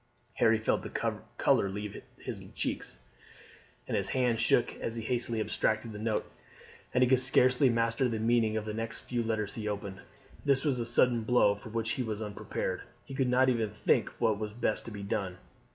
Harry felt the colour leave his cheeks, and his hand shook as he hastily abstracted the note, and he could scarcely master the meaning of the next few letters he opened. This was a sudden blow for which he was unprepared. He could not even think what was best to be done.